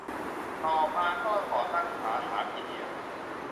ต่อมาก็ก่อตั้งสาขามีเดีย